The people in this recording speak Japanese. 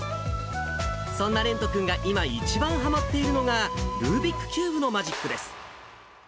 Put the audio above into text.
そんな蓮人君が、今一番はまっているのが、ルービックキューブのマジックです。